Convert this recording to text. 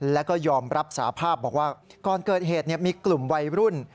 แล้วก็ยอมรับสาภาพบอกว่าก่อนเกิดเหตุมีกลุ่มวัยรุ่น